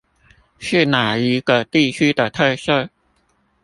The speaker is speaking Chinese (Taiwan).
是那一個地區的特色？